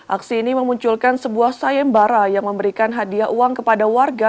aksi ini memunculkan sebuah sayembara yang memberikan hadiah uang kepada warga